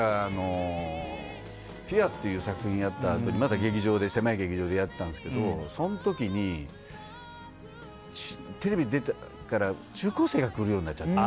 「ピュア」っていう作品あった時まだ狭い劇場でやったんですけどその時に、テレビに出たから中高生が来るようになっちゃって。